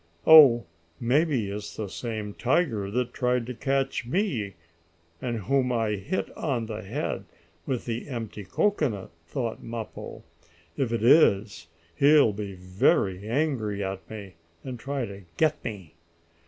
"Oh, maybe it's the same tiger that tried to catch me, and whom I hit on the head with the empty cocoanut," thought Mappo. "If it is, he'll be very angry at me, and try to get me.